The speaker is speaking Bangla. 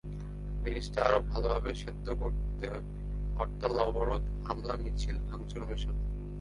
জিনিসটা আরও ভালোভাবে সেদ্ধ করতে হরতাল, অবরোধ, হামলা, মিছিল, ভাঙচুর মেশান।